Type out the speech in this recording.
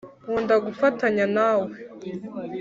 nkunda gufatanya nawe